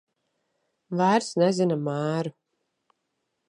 Vairs nezina mēru.